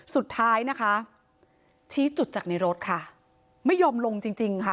สุดท้ายนะคะชี้จุดจากในรถค่ะไม่ยอมลงจริงจริงค่ะ